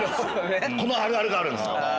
このあるあるがあるんですよ。